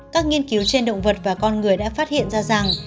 các nghiên cứu trên động vật và con người đã phát hiện ra rằng